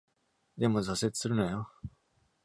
でも、挫折するなよ！